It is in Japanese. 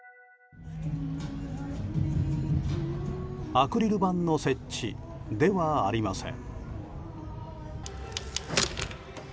アクリル板の設置ではありません。